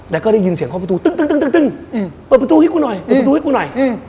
แล้วก็ได้ยินเสียงเคาะประตูตึ้งเปิดประตูให้กูหน่อยเปิดประตูให้กูหน่อย